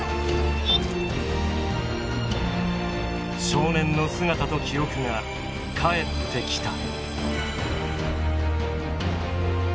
少年の姿と記憶が返ってきた。